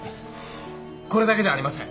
これだけじゃありません。